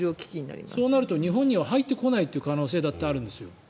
そうなると日本には入ってこない可能性だってあるんですよ。